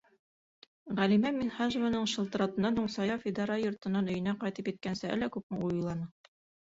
Ғәлимә Минһажеваның шылтыратыуынан һуң Саяф идара йортонан өйөнә ҡайтып еткәнсе әллә күпме уй уйланы.